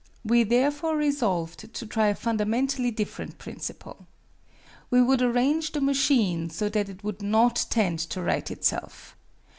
We therefore resolved to try a fundamentally different principle. We would arrange the machine so that it would not tend to right itself.